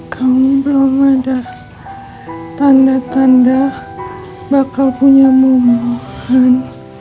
kamu belum ada tanda tanda bakal punya mumuhan